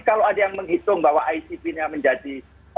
kalau ada yang menghitung bahwa icb nya menjadi empat belas